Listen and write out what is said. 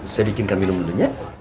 saya bikinkan minum dulu ya